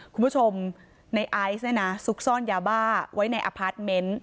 คุณผู้ชมในไอซ์เนี่ยนะซุกซ่อนยาบ้าไว้ในอพาร์ทเมนต์